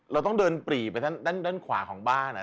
เราต้องเดินปรีไปด้านขวาของบ้าน